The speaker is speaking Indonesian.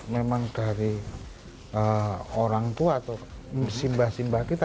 memang dari orang tua atau sibah sibah kita